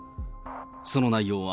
その内容は、